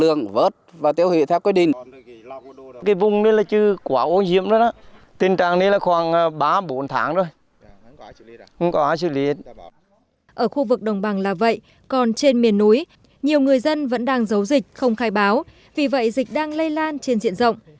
ở khu vực đồng bằng là vậy còn trên miền núi nhiều người dân vẫn đang giấu dịch không khai báo vì vậy dịch đang lây lan trên diện rộng